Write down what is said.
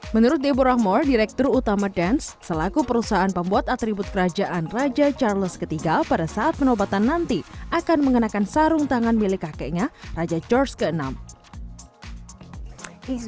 menurut debur rahman direktur utama dance selaku perusahaan pembuat atribut kerajaan raja charles iii pada saat penobatan nanti akan mengenakan sarung tangan milik kakeknya raja george vi